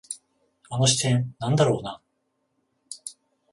あの視線、なんだろうな。